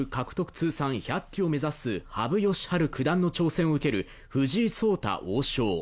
通算１００期を目指す羽生善治九段の挑戦を受ける藤井聡太王将。